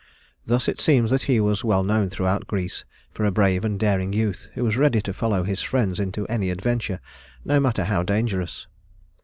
Thus it seems that he was well known throughout Greece for a brave and daring youth who was ready to follow his friends into any adventure, no matter how dangerous.